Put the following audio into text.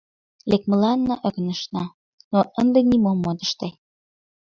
Лекмыланна ӧкынышна, но ынде нимом от ыште...